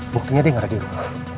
buktinya dia nggak ada di rumah